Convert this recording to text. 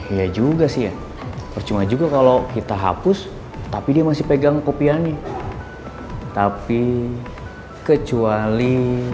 iya juga sih ya percuma juga kalau kita hapus tapi dia masih pegang kopiani tapi kecuali